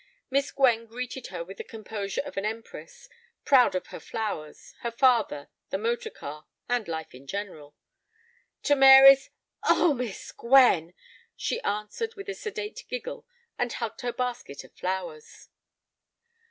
Miss Gwen greeted her with the composure of an empress, proud of her flowers, her father, the motor car, and life in general. To Mary's "Oh—Miss Gwen!" she answered with a sedate giggle and hugged her basket of flowers.